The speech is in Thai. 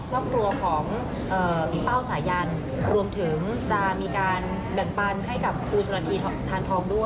ไปช่วยเหลือรอบตัวของพี่เป้าสายันรวมถึงจะมีการแบ่งปันให้กับครูชนาธิทานทองด้วย